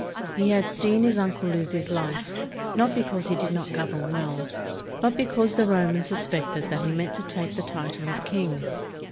He had seen his uncle lose his life, not because he did not govern well, but because the Romans suspected that he meant to take the title of king.